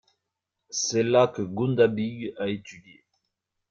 C'est là que Gunda Beeg a étudié.